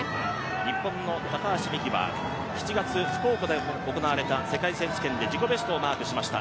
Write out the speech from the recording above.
日本の高橋美紀は７月、福岡で行われた世界選手権で自己ベストをマークしました。